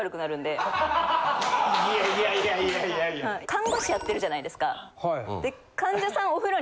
看護師やってるじゃないですか。